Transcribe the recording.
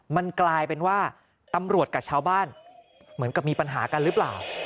มันกลายเป็นว่าตำรวจกับชาวบ้านเหมือนกับมีปัญหากันหรือเปล่า